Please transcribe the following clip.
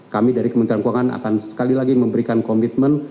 kami dari kementerian keuangan akan sekali lagi memberikan komitmen